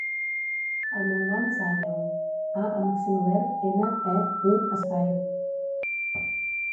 El meu nom és Àneu : a amb accent obert, ena, e, u, espai.